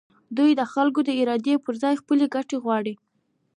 دوی د خلکو د ارادې پر ځای خپلې ګټې غواړي.